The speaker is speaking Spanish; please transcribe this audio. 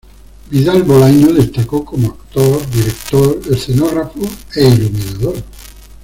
Vidal Bolaño destacó como actor, director, escenógrafo e iluminador.